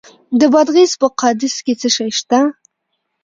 د بادغیس په قادس کې څه شی شته؟